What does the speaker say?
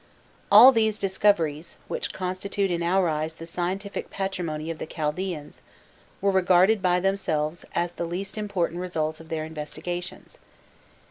All these discoveries, which constitute in our eyes the scientific patrimony of the Chaldaeans, were regarded by themselves as the least important results of their investigations.